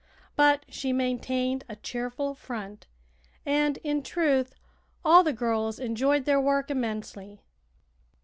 But she maintained a cheerful front; and, in truth, all the girls enjoyed their work immensely.